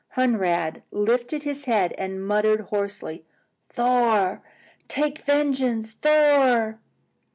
Hunrad lifted his head and muttered hoarsely, "Thor! take vengeance! Thor!"